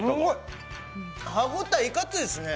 歯応え、いかついですね。